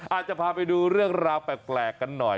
อาจจะพาไปดูเรื่องราวแปลกกันหน่อย